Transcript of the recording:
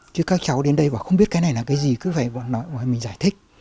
chứ các cháu đến đây họ không biết cái này là cái gì cứ phải mình giải thích